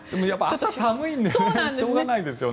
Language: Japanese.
朝、寒いのでしょうがないですよね。